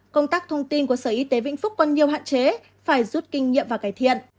công tác thông tin của sở y tế vĩnh phúc còn nhiều hạn chế phải rút kinh nghiệm và cải thiện